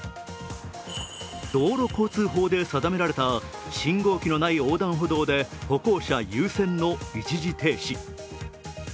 道路交通法で定められた信号機のない横断歩道で歩行者優先の一時停止。